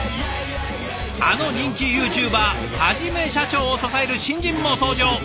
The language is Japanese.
あの人気ユーチューバーはじめしゃちょーを支える新人も登場！